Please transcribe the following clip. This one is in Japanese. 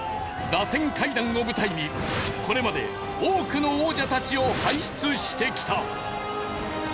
螺旋階段を舞台にこれまで多くの王者たちを輩出してきた。